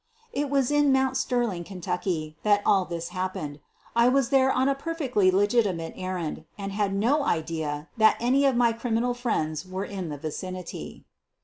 It was in Mount Sterling, Kentucky, that all this (happened. I was there on a perfectly legitimate ; errand and had no idea that any of my criminal friends were in the vicinity.